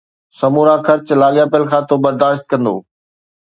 سمورا خرچ لاڳاپيل کاتو برداشت ڪندو